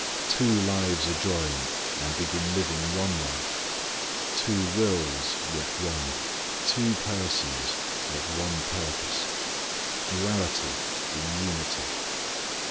Two lives are joined, and begin living one life. Two wills, yet one. Two persons, yet one purpose. Duality in unity.